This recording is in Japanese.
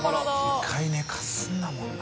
１回寝かすんだもんな。